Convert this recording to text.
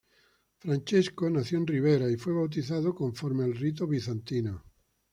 Francesco nació en Ribera y fue bautizado conforme al rito bizantino.